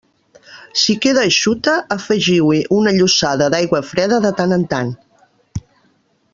Si queda eixuta, afegiu-hi una llossada d'aigua freda de tant en tant.